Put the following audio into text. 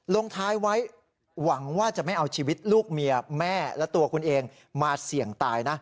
ลงท้ายไว้หวังว่าจะไม่เอาชีวิตลูกเมียแม่และตัวคุณเองมาเสี่ยงตายนะ